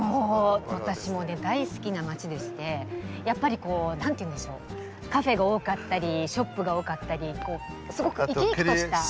私も大好きな街でしてカフェが多かったりショップが多かったりすごく生き生きとした。